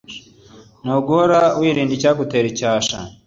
ni uguhora wirinda icyagutera icyasha